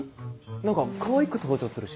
何かかわいく登場するし。